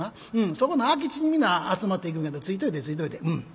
そこの空き地に皆集まって行くんやけどついといでついといで。